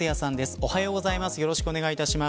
おはようございます。